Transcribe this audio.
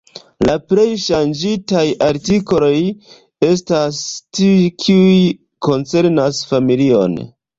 La plej ŝanĝitaj artikoloj estas tiuj, kiuj koncernas familion.